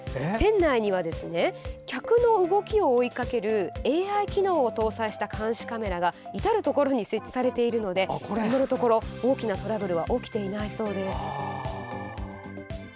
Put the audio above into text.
店内には客の動きを追いかけるＡＩ機能を搭載した監視カメラが至る所に設置されているので今のところ大きなトラブルは起きていないそうです。